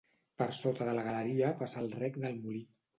Per sota de la galeria passa el rec del molí.